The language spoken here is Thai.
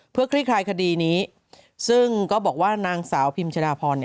เพื่อคลี่คลายคดีนี้ซึ่งก็บอกว่านางสาวพิมชดาพร